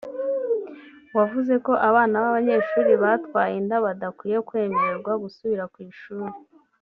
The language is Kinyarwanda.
wavuze ko abana b’abanyeshuri batwaye inda badakwiye kwemererwa gusubira ku ishuri